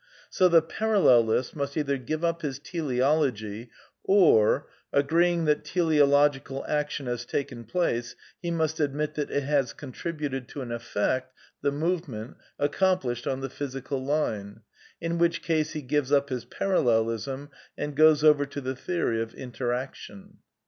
So the parallelist must either give up his teleology, or, agreeing that teleologicai action has taken place, he must admit that it has contributed to an effect (the movement) accomplished on the physical line ; in which case he gives up his Parallelism, and goes over to the theory of inter action.